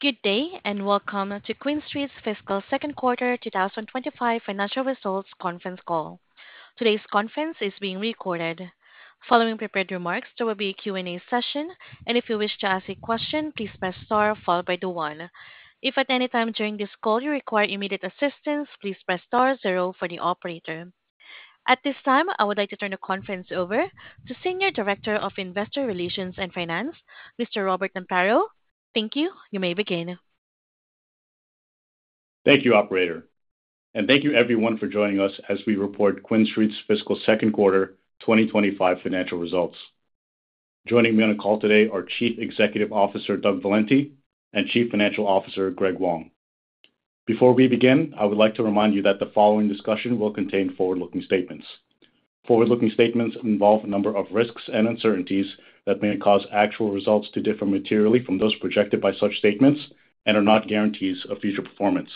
Good day and welcome to QuinStreet's Fiscal Second Quarter 2025 Financial Results Conference Call. Today's conference is being recorded. Following prepared remarks, there will be a Q&A session, and if you wish to ask a question, please press star followed by the one. If at any time during this call you require immediate assistance, please press star zero for the operator. At this time, I would like to turn the conference over to Senior Director of Investor Relations and Finance, Mr. Robert Amparo. Thank you. You may begin. Thank you, operator, and thank you, everyone, for joining us as we report QuinStreet's Fiscal Second Quarter 2025 Financial Results. Joining me on the call today are Chief Executive Officer Doug Valenti and Chief Financial Officer Greg Wong. Before we begin, I would like to remind you that the following discussion will contain forward-looking statements. Forward-looking statements involve a number of risks and uncertainties that may cause actual results to differ materially from those projected by such statements and are not guarantees of future performance.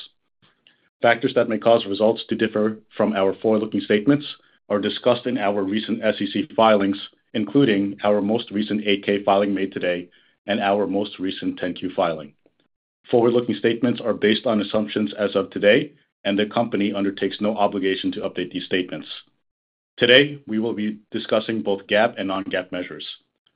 Factors that may cause results to differ from our forward-looking statements are discussed in our recent SEC filings, including our most recent 8-K filing made today and our most recent 10-Q filing. Forward-looking statements are based on assumptions as of today, and the company undertakes no obligation to update these statements. Today, we will be discussing both GAAP and non-GAAP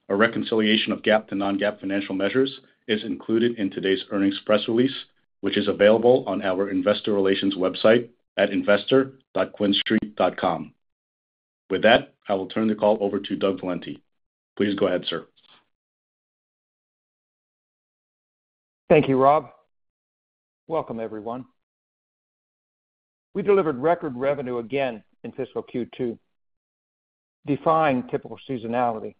measures. A reconciliation of GAAP to non-GAAP financial measures is included in today's earnings press release, which is available on our Investor Relations website at investor.quinstreet.com. With that, I will turn the call over to Doug Valenti. Please go ahead, sir. Thank you, Rob. Welcome, everyone. We delivered record revenue again in Fiscal Q2, defying typical seasonality,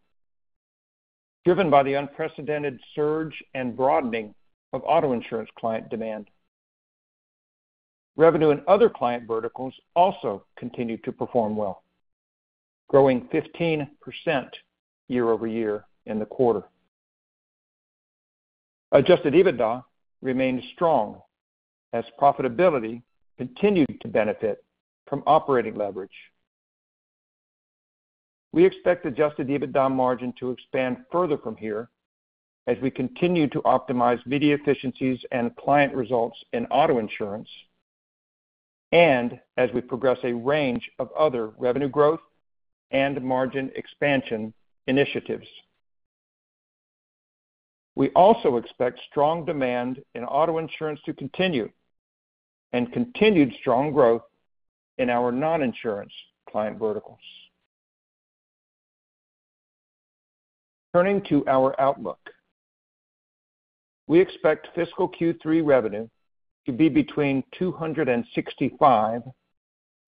driven by the unprecedented surge and broadening of auto insurance client demand. Revenue in other client verticals also continued to perform well, growing 15% year-over-year in the quarter. Adjusted EBITDA remained strong as profitability continued to benefit from operating leverage. We expect adjusted EBITDA margin to expand further from here as we continue to optimize media efficiencies and client results in auto insurance and as we progress a range of other revenue growth and margin expansion initiatives. We also expect strong demand in auto insurance to continue and continued strong growth in our non-insurance client verticals. Turning to our outlook, we expect Fiscal Q3 revenue to be between $265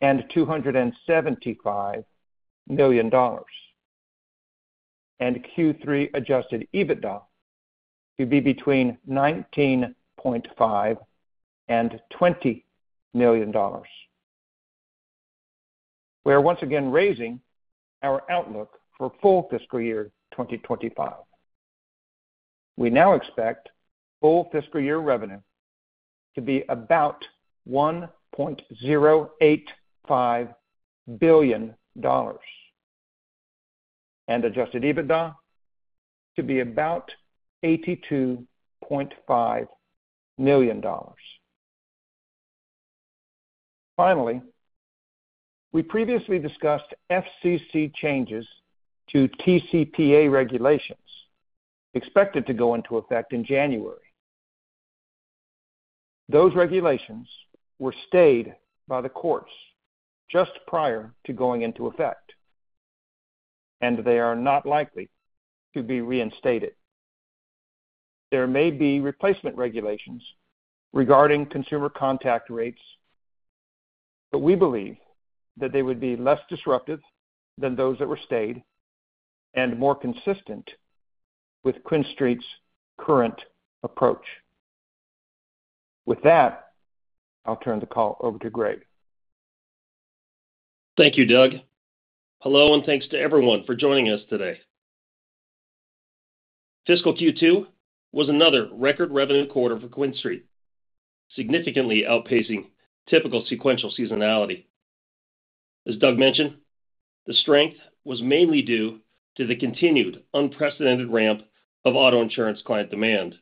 million-$275 million, and Q3 adjusted EBITDA to be between $19.5 million-$20 million. We are once again raising our outlook for full fiscal year 2025. We now expect full fiscal year revenue to be about $1.085 billion and adjusted EBITDA to be about $82.5 million. Finally, we previously discussed FCC changes to TCPA regulations expected to go into effect in January. Those regulations were stayed by the courts just prior to going into effect, and they are not likely to be reinstated. There may be replacement regulations regarding consumer contact rates, but we believe that they would be less disruptive than those that were stayed and more consistent with QuinStreet's current approach. With that, I'll turn the call over to Greg. Thank you, Doug. Hello and thanks to everyone for joining us today. Fiscal Q2 was another record revenue quarter for QuinStreet, significantly outpacing typical sequential seasonality. As Doug mentioned, the strength was mainly due to the continued unprecedented ramp of auto insurance client demand,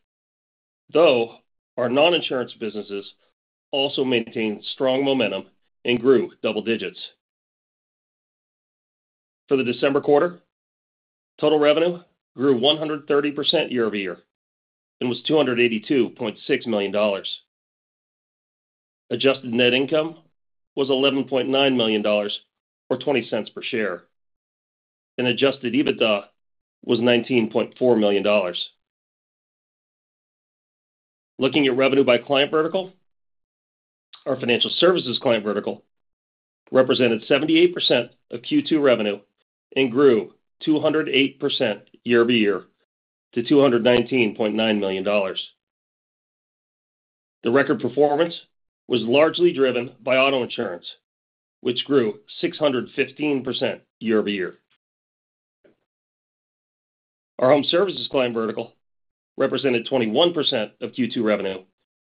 though our non-insurance businesses also maintained strong momentum and grew double digits. For the December quarter, total revenue grew 130% year-over-year and was $282.6 million. Adjusted net income was $11.9 million or $0.20 per share, and adjusted EBITDA was $19.4 million. Looking at revenue by client vertical, our financial services client vertical represented 78% of Q2 revenue and grew 208% year-over-year to $219.9 million. The record performance was largely driven by auto insurance, which grew 615% year-over-year. Our home services client vertical represented 21% of Q2 revenue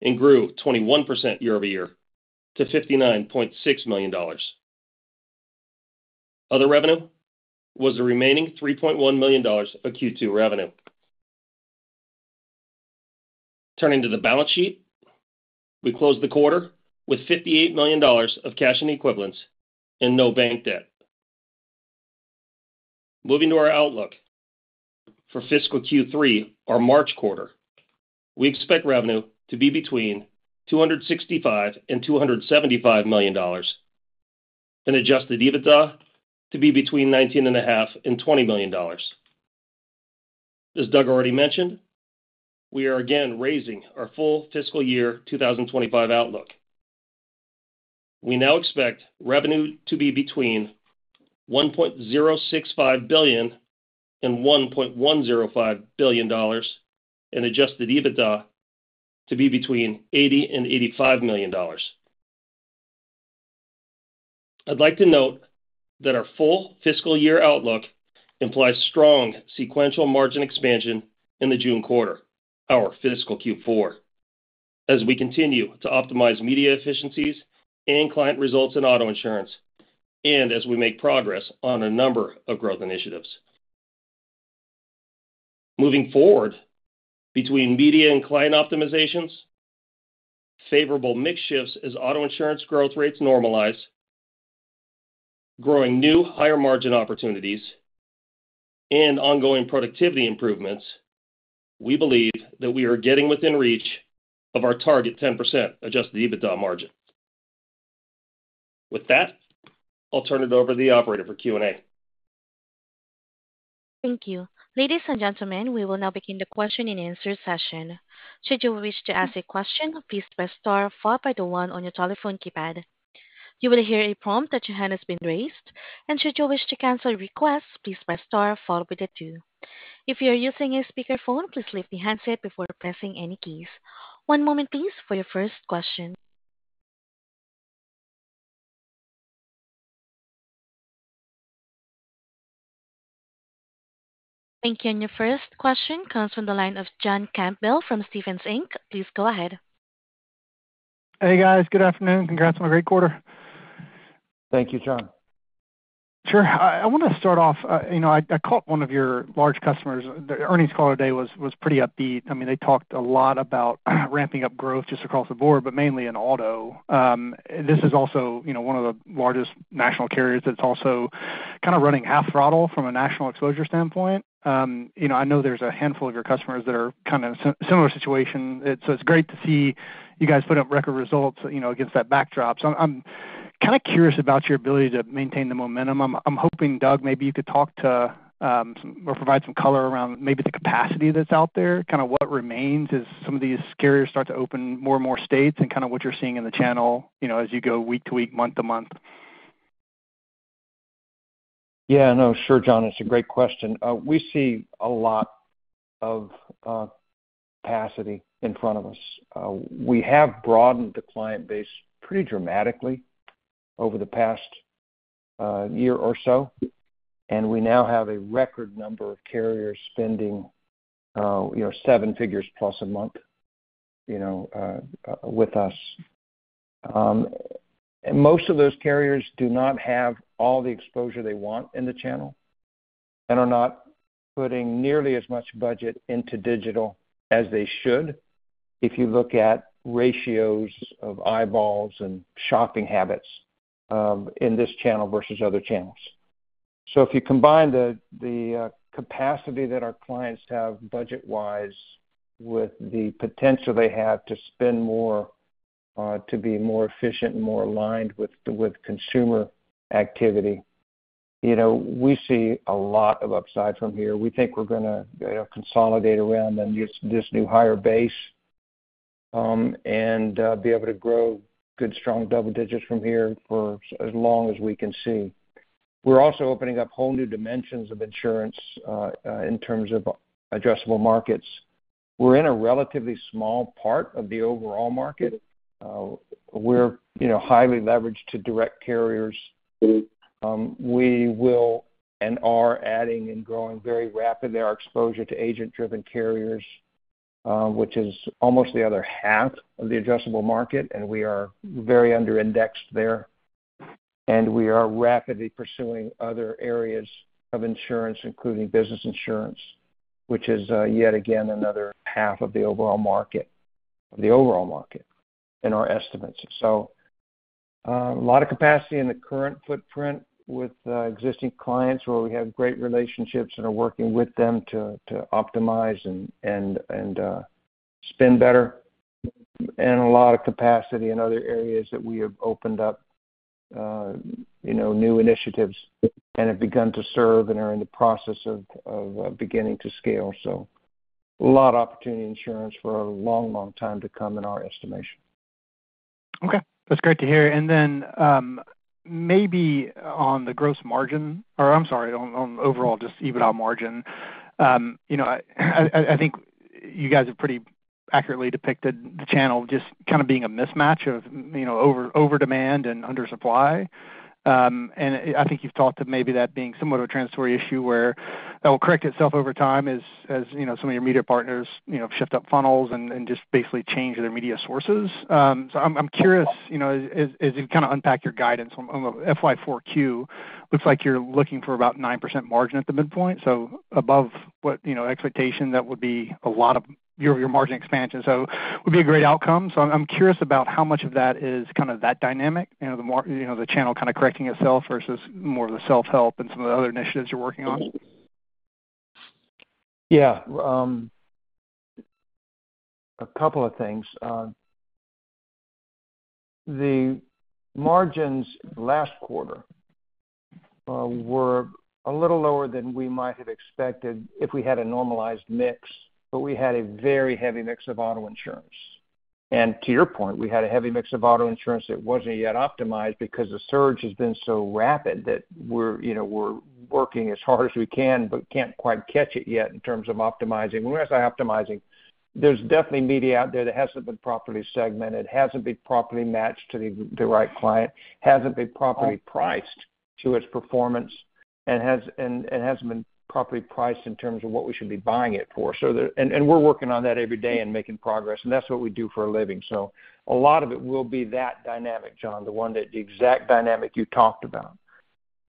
and grew 21% year-over-year to $59.6 million. Other revenue was the remaining $3.1 million of Q2 revenue. Turning to the balance sheet, we closed the quarter with $58 million of cash and equivalents and no bank debt. Moving to our outlook for Fiscal Q3, our March quarter, we expect revenue to be between $265 million and $275 million and adjusted EBITDA to be between $19.5 million and $20 million. As Doug already mentioned, we are again raising our full fiscal year 2025 outlook. We now expect revenue to be between $1.065 billion and $1.105 billion and adjusted EBITDA to be between $80 million and $85 million. I'd like to note that our full fiscal year outlook implies strong sequential margin expansion in the June quarter, our Fiscal Q4, as we continue to optimize media efficiencies and client results in auto insurance and as we make progress on a number of growth initiatives. Moving forward, between media and client optimizations, favorable mix shifts as auto insurance growth rates normalize, growing new higher margin opportunities, and ongoing productivity improvements, we believe that we are getting within reach of our target 10% adjusted EBITDA margin. With that, I'll turn it over to the operator for Q&A. Thank you. Ladies and gentlemen, we will now begin the question and answer session. Should you wish to ask a question, please press star followed by the one on your telephone keypad. You will hear a prompt that your hand has been raised, and should you wish to cancel a request, please press star followed by the two. If you are using a speakerphone, please lift the handset before pressing any keys. One moment, please, for your first question. Thank you. And your first question comes from the line of John Campbell from Stephens Inc. Please go ahead. Hey, guys. Good afternoon. Congrats on a great quarter. Thank you, John. Sure. I want to start off. You know, I caught one of your large customers. The earnings call today was pretty upbeat. I mean, they talked a lot about ramping up growth just across the board, but mainly in auto. This is also one of the largest national carriers that's also kind of running half throttle from a national exposure standpoint. You know, I know there's a handful of your customers that are kind of in a similar situation. So it's great to see you guys put up record results against that backdrop. So I'm kind of curious about your ability to maintain the momentum. I'm hoping, Doug, maybe you could talk to or provide some color around maybe the capacity that's out there. Kind of what remains as some of these carriers start to open more and more states and kind of what you're seeing in the channel as you go week to week, month to month. Yeah. No, sure, John. It's a great question. We see a lot of capacity in front of us. We have broadened the client base pretty dramatically over the past year or so, and we now have a record number of carriers spending seven figures plus a month with us. Most of those carriers do not have all the exposure they want in the channel and are not putting nearly as much budget into digital as they should if you look at ratios of eyeballs and shopping habits in this channel versus other channels. So if you combine the capacity that our clients have budget-wise with the potential they have to spend more to be more efficient and more aligned with consumer activity, we see a lot of upside from here. We think we're going to consolidate around this new higher base and be able to grow good, strong double digits from here for as long as we can see. We're also opening up whole new dimensions of insurance in terms of addressable markets. We're in a relatively small part of the overall market. We're highly leveraged to direct carriers. We will and are adding and growing very rapidly our exposure to agent-driven carriers, which is almost the other half of the addressable market, and we are very under-indexed there, and we are rapidly pursuing other areas of insurance, including business insurance, which is yet again another half of the overall market, of the overall market in our estimates, so a lot of capacity in the current footprint with existing clients where we have great relationships and are working with them to optimize and spend better. And a lot of capacity in other areas that we have opened up new initiatives and have begun to serve and are in the process of beginning to scale. So a lot of opportunity in insurance for a long, long time to come in our estimation. Okay. That's great to hear. And then maybe on the gross margin, or I'm sorry, on overall just EBITDA margin, I think you guys have pretty accurately depicted the channel just kind of being a mismatch of over demand and undersupply. And I think you've talked of maybe that being somewhat of a transitory issue where that will correct itself over time as some of your media partners shift up funnels and just basically change their media sources. So I'm curious, as you kind of unpack your guidance on FY4Q, looks like you're looking for about 9% margin at the midpoint. So above what expectation, that would be a lot of your margin expansion. So it would be a great outcome. So I'm curious about how much of that is kind of that dynamic, the channel kind of correcting itself versus more of the self-help and some of the other initiatives you're working on? Yeah. A couple of things. The margins last quarter were a little lower than we might have expected if we had a normalized mix, but we had a very heavy mix of auto insurance. And to your point, we had a heavy mix of auto insurance that wasn't yet optimized because the surge has been so rapid that we're working as hard as we can, but can't quite catch it yet in terms of optimizing. When I say optimizing, there's definitely media out there that hasn't been properly segmented, hasn't been properly matched to the right client, hasn't been properly priced to its performance, and hasn't been properly priced in terms of what we should be buying it for. And we're working on that every day and making progress. And that's what we do for a living. So a lot of it will be that dynamic, John, the exact dynamic you talked about.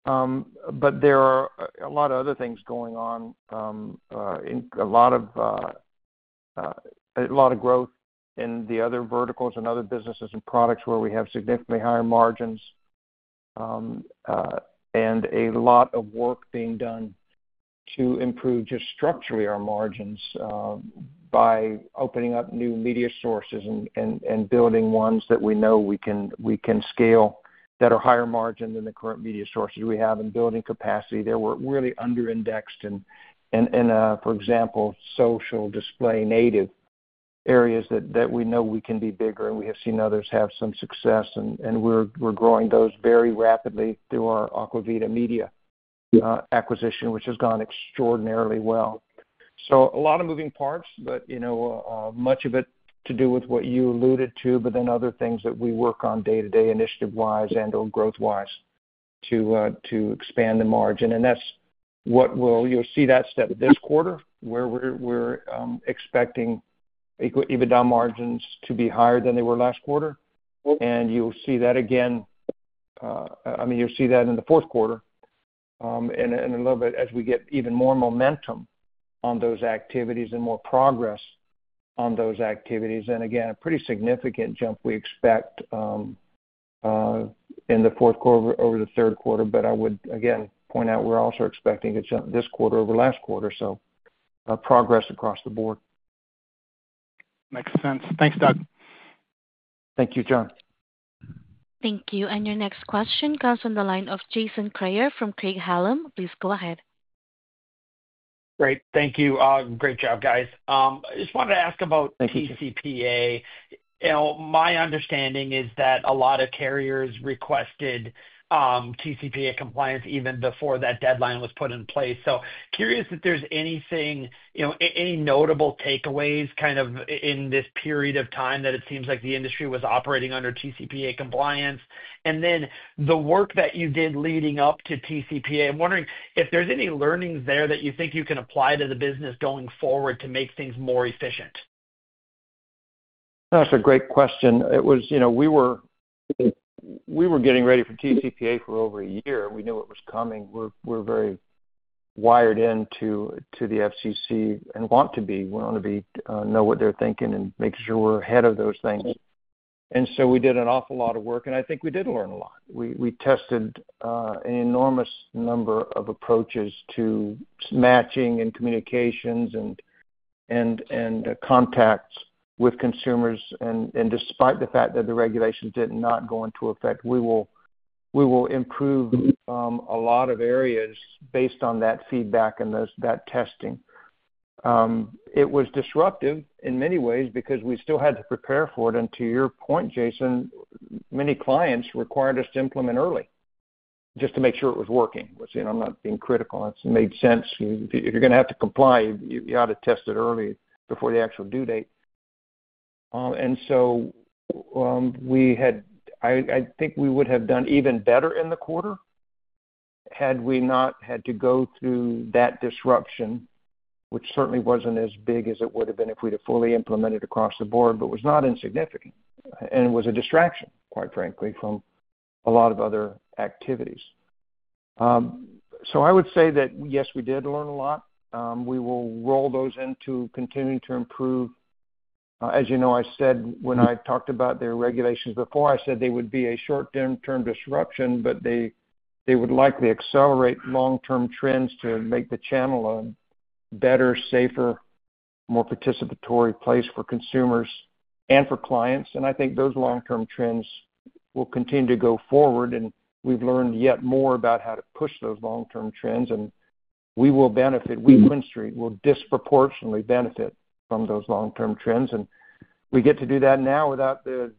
But there are a lot of other things going on, a lot of growth in the other verticals and other businesses and products where we have significantly higher margins and a lot of work being done to improve just structurally our margins by opening up new media sources and building ones that we know we can scale that are higher margin than the current media sources we have and building capacity. They were really under-indexed in, for example, social display native areas that we know we can be bigger, and we have seen others have some success. And we're growing those very rapidly through our Aqua Vida Media acquisition, which has gone extraordinarily well. So a lot of moving parts, but much of it to do with what you alluded to, but then other things that we work on day-to-day initiative-wise and/or growth-wise to expand the margin. And that's what we'll see that step this quarter where we're expecting EBITDA margins to be higher than they were last quarter. And you'll see that again. I mean, you'll see that in the fourth quarter and a little bit as we get even more momentum on those activities and more progress on those activities. And again, a pretty significant jump we expect in the fourth quarter over the third quarter. But I would, again, point out we're also expecting a jump this quarter over last quarter. So progress across the board. Makes sense. Thanks, Doug. Thank you, John. Thank you. And your next question comes from the line of Jason Kreyer from Craig-Hallum. Please go ahead. Great. Thank you. Great job, guys. I just wanted to ask about TCPA. My understanding is that a lot of carriers requested TCPA compliance even before that deadline was put in place. So curious if there's anything, any notable takeaways kind of in this period of time that it seems like the industry was operating under TCPA compliance. And then the work that you did leading up to TCPA, I'm wondering if there's any learnings there that you think you can apply to the business going forward to make things more efficient. That's a great question. We were getting ready for TCPA for over a year. We knew it was coming. We're very wired into the FCC and want to be. We want to know what they're thinking and make sure we're ahead of those things. And so we did an awful lot of work. And I think we did learn a lot. We tested an enormous number of approaches to matching and communications and contacts with consumers. And despite the fact that the regulations did not go into effect, we will improve a lot of areas based on that feedback and that testing. It was disruptive in many ways because we still had to prepare for it. And to your point, Jason, many clients required us to implement early just to make sure it was working. I'm not being critical. It's made sense. If you're going to have to comply, you ought to test it early before the actual due date. And so I think we would have done even better in the quarter had we not had to go through that disruption, which certainly wasn't as big as it would have been if we'd have fully implemented across the board, but was not insignificant and was a distraction, quite frankly, from a lot of other activities. So I would say that, yes, we did learn a lot. We will roll those into continuing to improve. As you know, I said when I talked about their regulations before, I said they would be a short-term disruption, but they would likely accelerate long-term trends to make the channel a better, safer, more participatory place for consumers and for clients. And I think those long-term trends will continue to go forward. We've learned yet more about how to push those long-term trends. We will benefit. QuinStreet will disproportionately benefit from those long-term trends. We get to do that now without the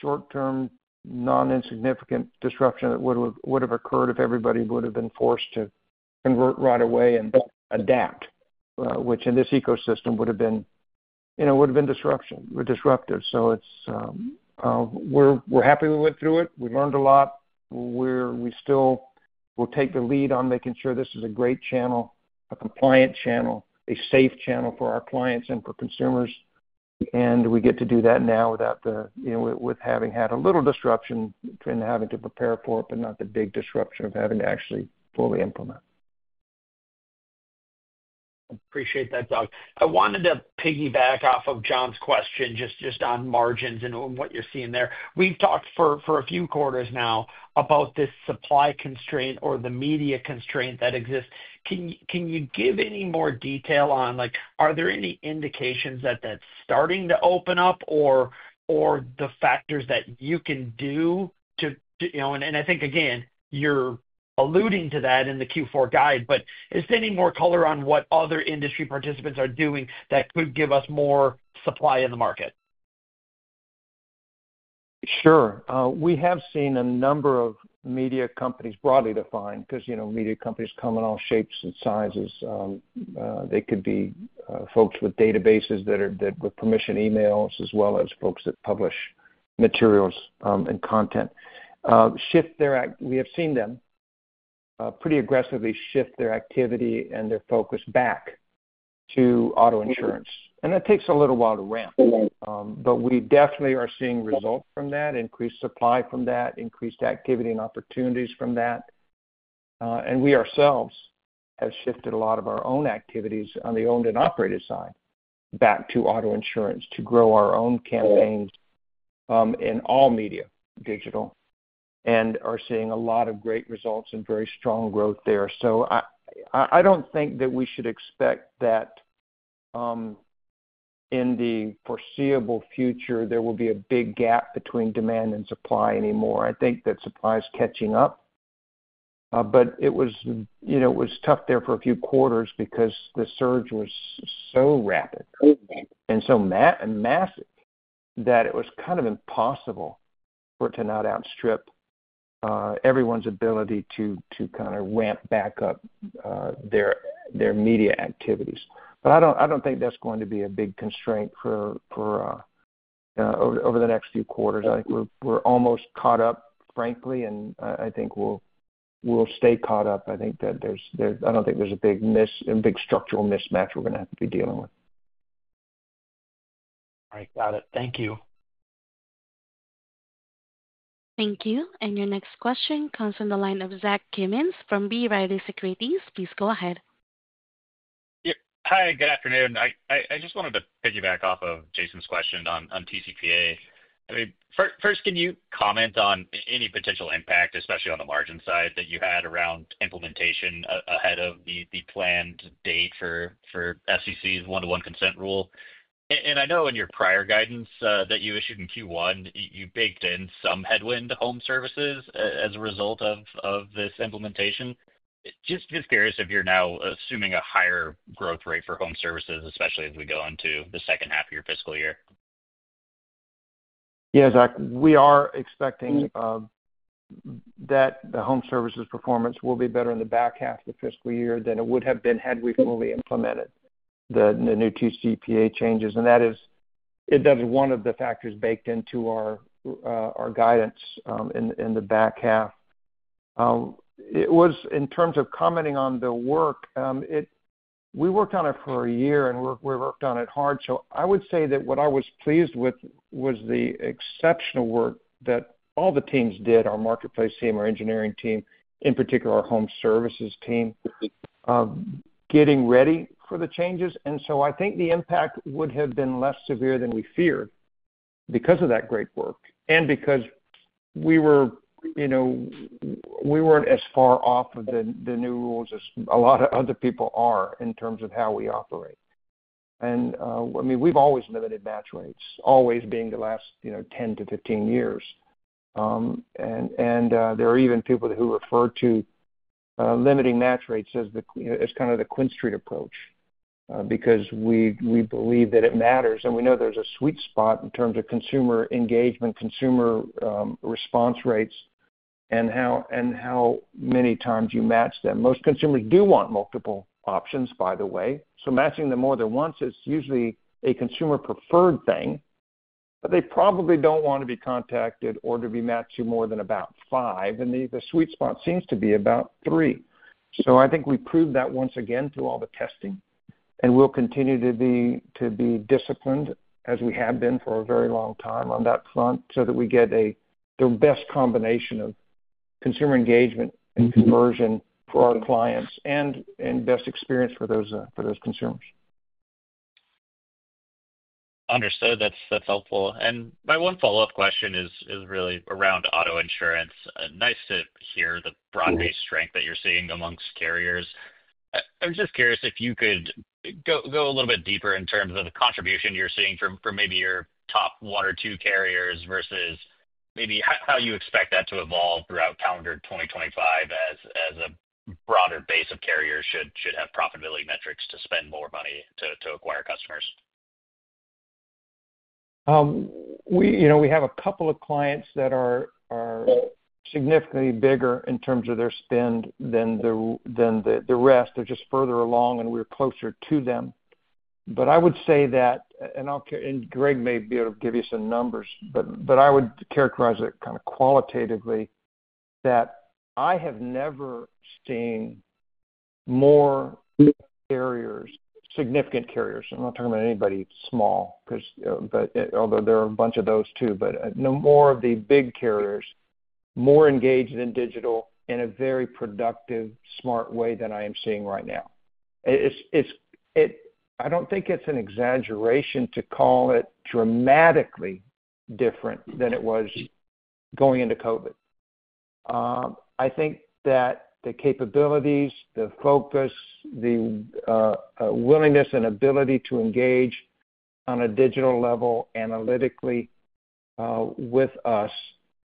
short-term, non-insignificant disruption that would have occurred if everybody would have been forced to convert right away and adapt, which in this ecosystem would have been disruptive. We're happy we went through it. We learned a lot. We still will take the lead on making sure this is a great channel, a compliant channel, a safe channel for our clients and for consumers. We get to do that now with having had a little disruption and having to prepare for it, but not the big disruption of having to actually fully implement. Appreciate that, Doug. I wanted to piggyback off of John's question just on margins and what you're seeing there. We've talked for a few quarters now about this supply constraint or the media constraint that exists. Can you give any more detail on, are there any indications that that's starting to open up or the factors that you can do to? And I think, again, you're alluding to that in the Q4 guide, but is there any more color on what other industry participants are doing that could give us more supply in the market? Sure. We have seen a number of media companies broadly defined because media companies come in all shapes and sizes. They could be folks with databases that are with permission emails as well as folks that publish materials and content. We have seen them pretty aggressively shift their activity and their focus back to auto insurance. And that takes a little while to ramp. But we definitely are seeing results from that, increased supply from that, increased activity and opportunities from that. And we ourselves have shifted a lot of our own activities on the owned and operated side back to auto insurance to grow our own campaigns in all media, digital, and are seeing a lot of great results and very strong growth there. So I don't think that we should expect that in the foreseeable future, there will be a big gap between demand and supply anymore. I think that supply is catching up. But it was tough there for a few quarters because the surge was so rapid and so massive that it was kind of impossible for it to not outstrip everyone's ability to kind of ramp back up their media activities. But I don't think that's going to be a big constraint over the next few quarters. I think we're almost caught up, frankly, and I think we'll stay caught up. I think that there's—I don't think there's a big structural mismatch we're going to have to be dealing with. All right. Got it. Thank you. Thank you. And your next question comes from the line of Zach Cummins from B. Riley Securities. Please go ahead. Hi. Good afternoon. I just wanted to piggyback off of Jason's question on TCPA. I mean, first, can you comment on any potential impact, especially on the margin side, that you had around implementation ahead of the planned date for FCC's one-to-one consent rule? And I know in your prior guidance that you issued in Q1, you baked in some headwind to home services as a result of this implementation. Just curious if you're now assuming a higher growth rate for home services, especially as we go into the second half of your fiscal year. Yeah, Zach, we are expecting that the home services performance will be better in the back half of the fiscal year than it would have been had we fully implemented the new TCPA changes, and that is one of the factors baked into our guidance in the back half. In terms of commenting on the work, we worked on it for a year, and we worked on it hard, so I would say that what I was pleased with was the exceptional work that all the teams did, our marketplace team, our engineering team, in particular, our home services team, getting ready for the changes, and so I think the impact would have been less severe than we feared because of that great work and because we weren't as far off of the new rules as a lot of other people are in terms of how we operate. And I mean, we've always limited match rates over the last 10 to 15 years. And there are even people who refer to limiting match rates as kind of the QuinStreet approach because we believe that it matters. And we know there's a sweet spot in terms of consumer engagement, consumer response rates, and how many times you match them. Most consumers do want multiple options, by the way. So matching them more than once is usually a consumer-preferred thing, but they probably don't want to be contacted or to be matched to more than about five. And the sweet spot seems to be about three. So I think we proved that once again through all the testing. We'll continue to be disciplined, as we have been for a very long time on that front, so that we get the best combination of consumer engagement and conversion for our clients and best experience for those consumers. Understood. That's helpful. And my one follow-up question is really around auto insurance. Nice to hear the broad-based strength that you're seeing amongst carriers. I'm just curious if you could go a little bit deeper in terms of the contribution you're seeing from maybe your top one or two carriers versus maybe how you expect that to evolve throughout calendar 2025 as a broader base of carriers should have profitability metrics to spend more money to acquire customers? We have a couple of clients that are significantly bigger in terms of their spend than the rest. They're just further along, and we're closer to them. But I would say that, and Greg may be able to give you some numbers, but I would characterize it kind of qualitatively that I have never seen more significant carriers. I'm not talking about anybody small, although there are a bunch of those too, but more of the big carriers more engaged in digital in a very productive, smart way than I am seeing right now. I don't think it's an exaggeration to call it dramatically different than it was going into COVID. I think that the capabilities, the focus, the willingness and ability to engage on a digital level analytically with us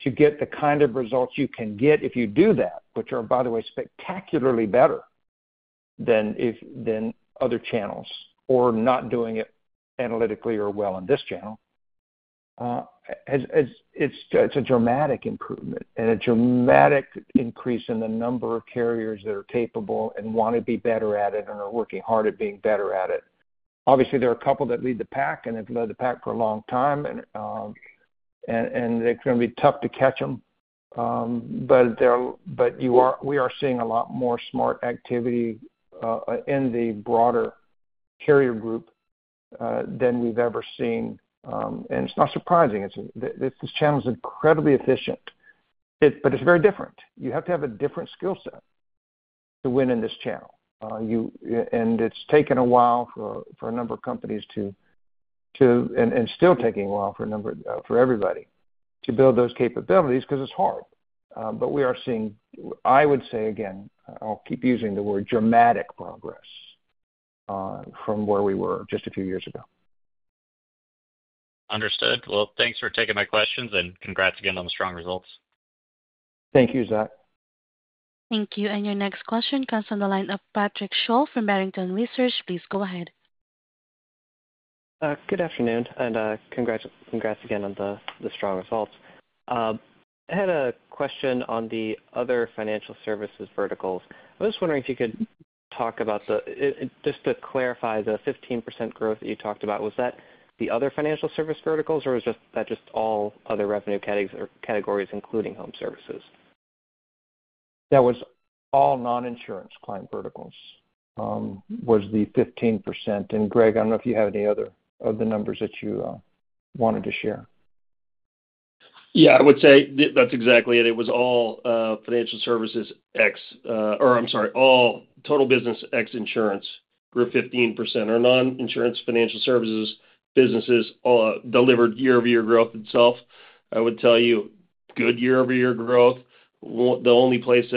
to get the kind of results you can get if you do that, which are, by the way, spectacularly better than other channels or not doing it analytically or well on this channel. It's a dramatic improvement and a dramatic increase in the number of carriers that are capable and want to be better at it and are working hard at being better at it. Obviously, there are a couple that lead the pack and have led the pack for a long time, and it's going to be tough to catch them. But we are seeing a lot more smart activity in the broader carrier group than we've ever seen. And it's not surprising. This channel is incredibly efficient, but it's very different. You have to have a different skill set to win in this channel, and it's taken a while for a number of companies to—and still taking a while for everybody to build those capabilities because it's hard, but we are seeing, I would say, again, I'll keep using the word dramatic progress from where we were just a few years ago. Understood. Well, thanks for taking my questions and congrats again on the strong results. Thank you, Zach. Thank you. And your next question comes from the line of Patrick Sholl from Barrington Research. Please go ahead. Good afternoon and congrats again on the strong results. I had a question on the other financial services verticals. I was just wondering if you could talk about the—just to clarify the 15% growth that you talked about, was that the other financial service verticals or was that just all other revenue categories including home services? That was all non-insurance client verticals was the 15%. And Greg, I don't know if you have any other numbers that you wanted to share. Yeah, I would say that's exactly it. It was all financial services ex or I'm sorry, all total business ex insurance grew 15%. Our non-insurance financial services businesses delivered year-over-year growth itself. I would tell you good year-over-year growth. The only place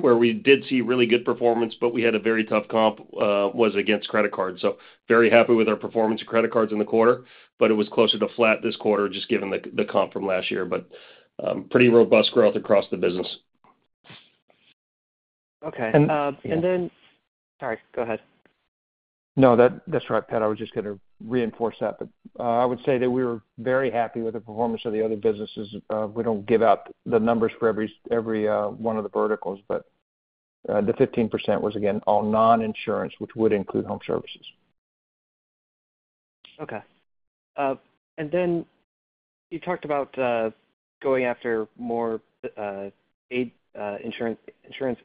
where we did see really good performance, but we had a very tough comp, was against credit cards. So very happy with our performance of credit cards in the quarter, but it was closer to flat this quarter just given the comp from last year, but pretty robust growth across the business. Okay. And then, sorry, go ahead. No, that's right, Pat. I was just going to reinforce that. But I would say that we were very happy with the performance of the other businesses. We don't give out the numbers for every one of the verticals, but the 15% was, again, all non-insurance, which would include home services. Okay. And then you talked about going after more insurance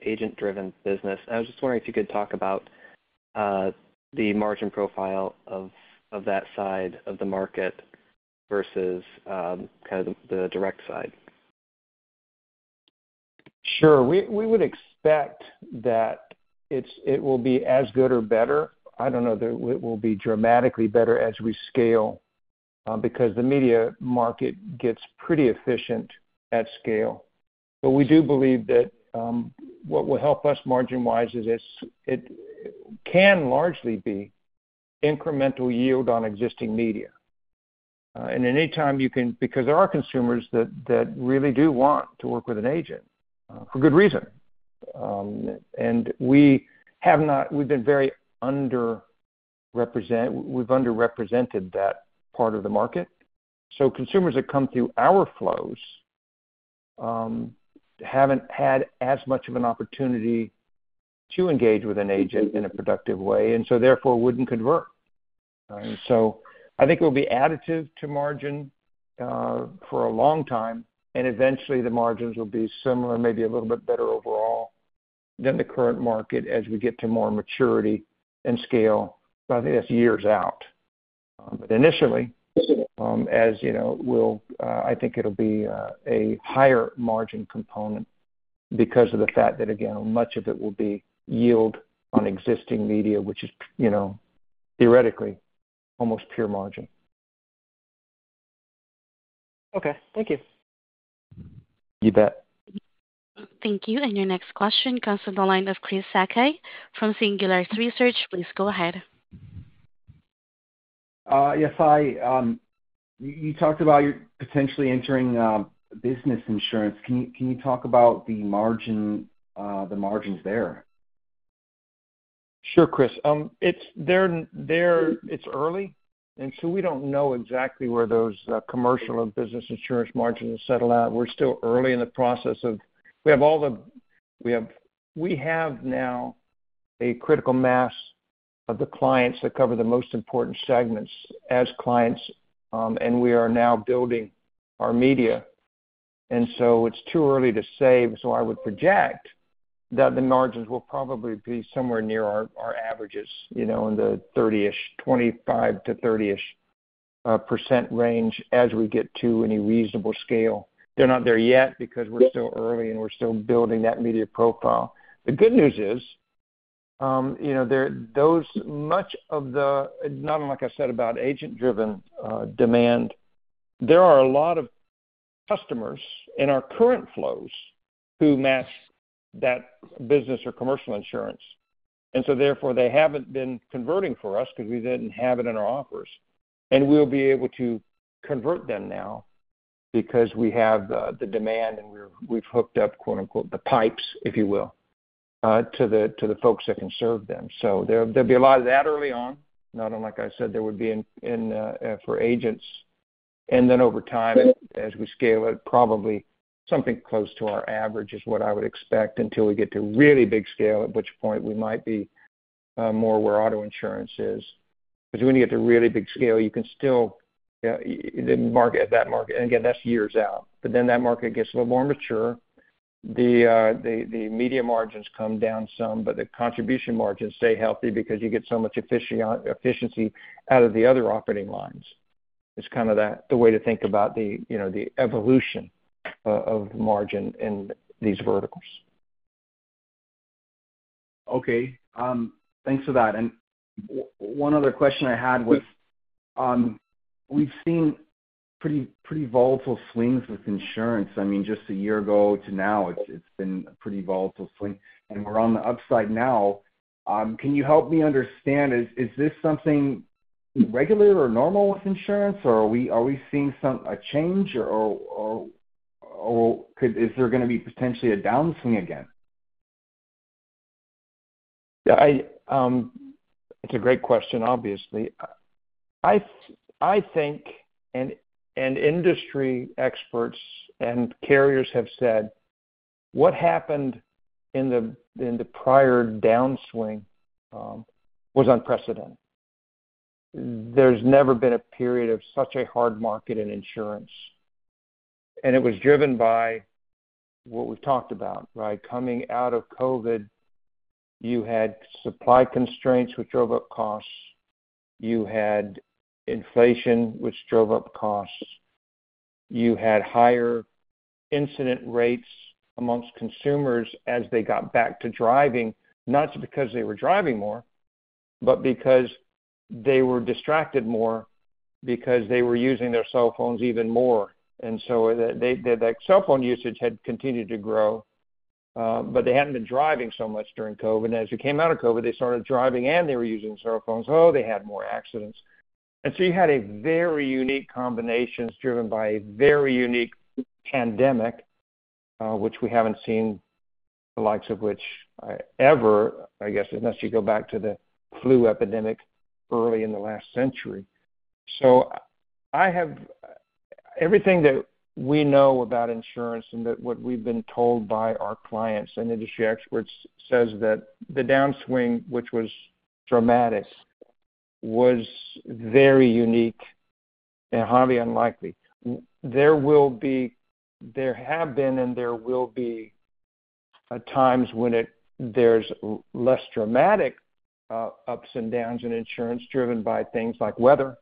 agent-driven business. I was just wondering if you could talk about the margin profile of that side of the market versus kind of the direct side? Sure. We would expect that it will be as good or better. I don't know that it will be dramatically better as we scale because the media market gets pretty efficient at scale, but we do believe that what will help us margin-wise is it can largely be incremental yield on existing media. And anytime you can, because there are consumers that really do want to work with an agent for good reason, we've been very underrepresented. We've underrepresented that part of the market, so consumers that come through our flows haven't had as much of an opportunity to engage with an agent in a productive way and so, therefore, wouldn't convert. I think it will be additive to margin for a long time, and eventually, the margins will be similar, maybe a little bit better overall than the current market as we get to more maturity and scale. But I think that's years out. But initially, as you know, I think it'll be a higher margin component because of the fact that, again, much of it will be yield on existing media, which is theoretically almost pure margin. Okay. Thank you. You bet. Thank you. And your next question comes from the line of Chris Sakai from Singular Research. Please go ahead. Yes. You talked about potentially entering business insurance. Can you talk about the margins there? Sure, Chris. It's early, and so we don't know exactly where those commercial and business insurance margins will settle out. We're still early in the process of. We have now a critical mass of the clients that cover the most important segments as clients, and we are now building our media. And so it's too early to say. So I would project that the margins will probably be somewhere near our averages in the 30-ish, 25% to 30-ish% range as we get to any reasonable scale. They're not there yet because we're still early, and we're still building that media profile. The good news is those much of the not unlike I said about agent-driven demand, there are a lot of customers in our current flows who match that business or commercial insurance. And so, therefore, they haven't been converting for us because we didn't have it in our offers. And we'll be able to convert them now because we have the demand, and we've hooked up, quote-unquote, "the pipes," if you will, to the folks that can serve them. So there'll be a lot of that early on. Not unlike I said, there would be for agents. And then over time, as we scale it, probably something close to our average is what I would expect until we get to really big scale, at which point we might be more where auto insurance is. Because when you get to really big scale, you can still, the market at that market. And again, that's years out. But then that market gets a little more mature. The media margins come down some, but the contribution margins stay healthy because you get so much efficiency out of the other operating lines. It's kind of the way to think about the evolution of margin in these verticals. Okay. Thanks for that. And one other question I had was we've seen pretty volatile swings with insurance. I mean, just a year ago to now, it's been a pretty volatile swing. And we're on the upside now. Can you help me understand? Is this something regular or normal with insurance, or are we seeing a change, or is there going to be potentially a downswing again? Yeah. It's a great question, obviously. I think industry experts and carriers have said what happened in the prior downswing was unprecedented. There's never been a period of such a hard market in insurance. And it was driven by what we've talked about, right? Coming out of COVID, you had supply constraints, which drove up costs. You had inflation, which drove up costs. You had higher incident rates amongst consumers as they got back to driving, not because they were driving more, but because they were distracted more because they were using their cell phones even more. And so that cell phone usage had continued to grow, but they hadn't been driving so much during COVID. And as they came out of COVID, they started driving, and they were using cell phones. Oh, they had more accidents. And so you had a very unique combination driven by a very unique pandemic, which we haven't seen the likes of which ever, I guess, unless you go back to the flu epidemic early in the last century. So everything that we know about insurance and what we've been told by our clients and industry experts says that the downswing, which was dramatic, was very unique and highly unlikely. There have been and there will be times when there's less dramatic ups and downs in insurance driven by things like weather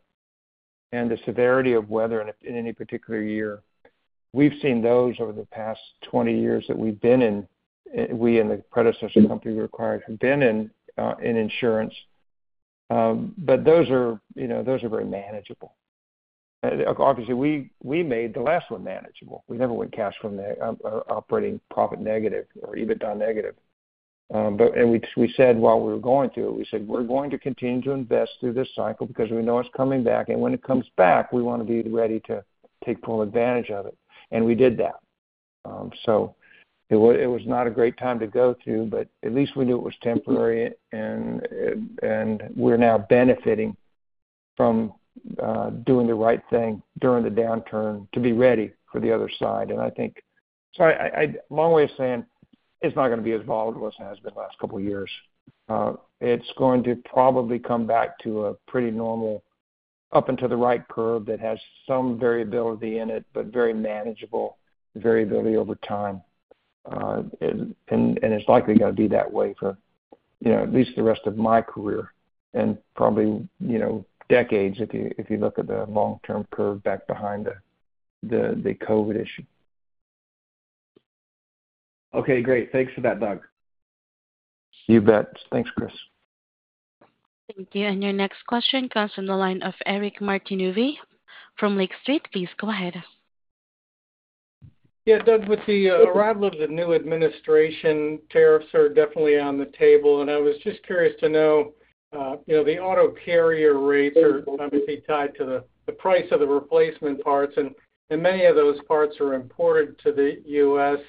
and the severity of weather in any particular year. We've seen those over the past 20 years that we've been in, we and the predecessor company we acquired have been in insurance. But those are very manageable. Obviously, we made the last one manageable. We never went cash from the operating profit negative or EBITDA negative. And we said while we were going to, we said, "We're going to continue to invest through this cycle because we know it's coming back. And when it comes back, we want to be ready to take full advantage of it." And we did that. So it was not a great time to go through, but at least we knew it was temporary, and we're now benefiting from doing the right thing during the downturn to be ready for the other side. And I think, sorry, long way of saying it's not going to be as volatile as it has been the last couple of years. It's going to probably come back to a pretty normal up and to the right curve that has some variability in it, but very manageable variability over time. And it's likely going to be that way for at least the rest of my career and probably decades if you look at the long-term curve back behind the COVID issue. Okay. Great. Thanks for that, Doug. You bet. Thanks, Chris. Thank you. And your next question comes from the line of Eric Martinuzzi from Lake Street. Please go ahead. Yeah, Doug, with the arrival of the new administration, tariffs are definitely on the table, and I was just curious to know, the auto carrier rates are obviously tied to the price of the replacement parts, and many of those parts are imported to the U.S.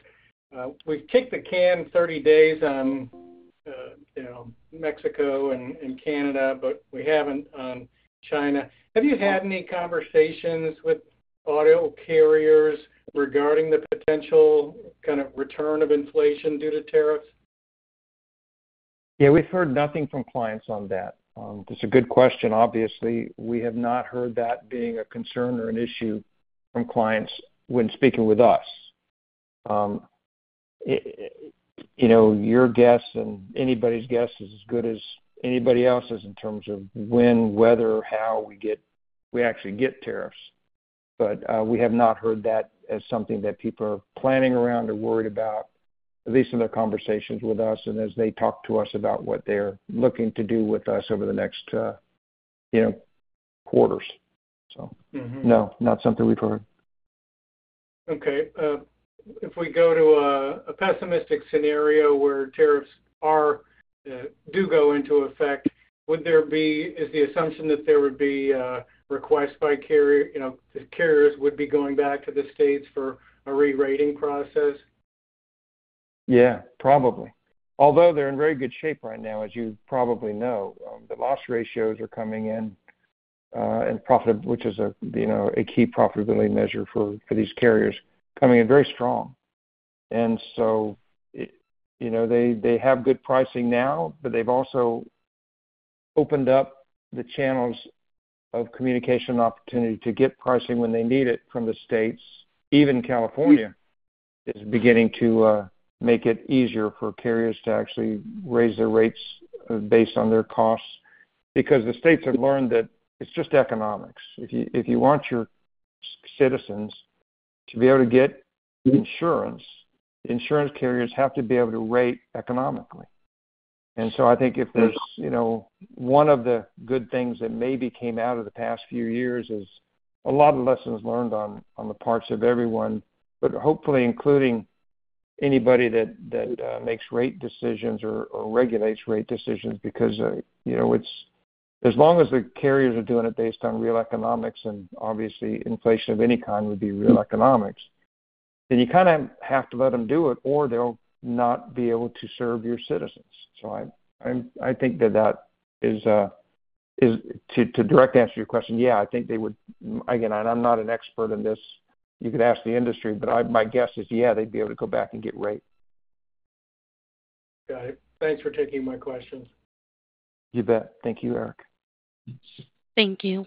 We've kicked the can 30 days on Mexico and Canada, but we haven't on China. Have you had any conversations with auto carriers regarding the potential kind of return of inflation due to tariffs? Yeah, we've heard nothing from clients on that. It's a good question. Obviously, we have not heard that being a concern or an issue from clients when speaking with us. Your guess and anybody's guess is as good as anybody else's in terms of when, whether, how we actually get tariffs. But we have not heard that as something that people are planning around or worried about, at least in their conversations with us and as they talk to us about what they're looking to do with us over the next quarters. So no, not something we've heard. Okay. If we go to a pessimistic scenario where tariffs do go into effect, is the assumption that there would be requests by carriers going back to the states for a re-rating process? Yeah, probably. Although they're in very good shape right now, as you probably know, the loss ratios are coming in, which is a key profitability measure for these carriers coming in very strong. And so they have good pricing now, but they've also opened up the channels of communication opportunity to get pricing when they need it from the states. Even California is beginning to make it easier for carriers to actually raise their rates based on their costs because the states have learned that it's just economics. If you want your citizens to be able to get insurance, insurance carriers have to be able to rate economically. And so I think if there's one of the good things that maybe came out of the past few years is a lot of lessons learned on the parts of everyone, but hopefully including anybody that makes rate decisions or regulates rate decisions because as long as the carriers are doing it based on real economics and obviously inflation of any kind would be real economics, then you kind of have to let them do it or they'll not be able to serve your citizens. So I think that that is, to direct answer your question, yeah, I think they would. Again, I'm not an expert in this. You could ask the industry, but my guess is, yeah, they'd be able to go back and get rate. Got it. Thanks for taking my questions. You bet. Thank you, Eric. Thank you.